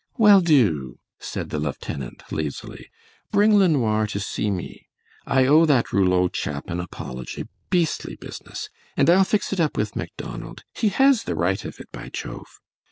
"Well, do," said the lieutenant, lazily. "Bring LeNoir to see me. I owe that Rouleau chap an apology. Beastly business! And I'll fix it up with Macdonald. He has the right of it, by Jove!